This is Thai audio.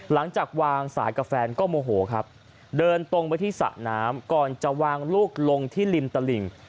หลังจากวางสายกับแฟนก็โมโหครับเดินตรงไปที่สระน้ำก่อนจะวางลูกลงที่ริมตลิ่ง